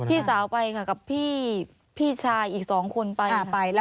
พี่สาวไปค่ะกับพี่ชายอีกสองคนไปค่ะ